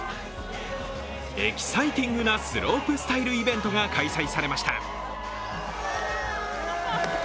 エキサイティングなスロープスタイルイベントが開催されました。